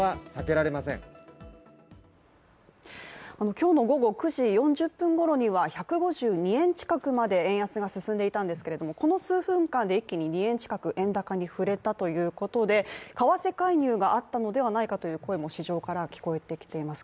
今日の午後９時４０分ごろには、１５２円近くまで円安が進んでいたんけれども、この数分間で一気に２円近くに円高に振れたということで、為替介入があったのではないかという声も市場からは聞こえてきています。